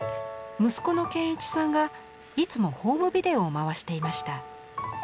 息子の賢一さんがいつもホームビデオを回していました。